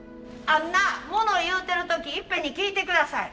・あんな物を言うてる時いっぺんに聞いて下さい。